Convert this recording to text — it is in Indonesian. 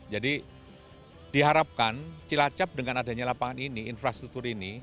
jadi diharapkan cilacap dengan adanya lapangan ini